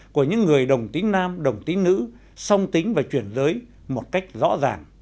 của những người đồng tính nam đồng tính nữ song tính và chuyển giới một cách rõ ràng